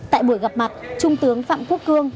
tại buổi gặp mặt trung tướng phạm quốc cương